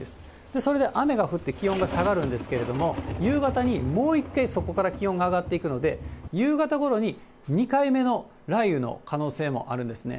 それで雨が降って気温が下がるんですけれども、夕方にもう一回、そこから気温が上がっていくので、夕方ごろに、２回目の雷雨の可能性もあるんですね。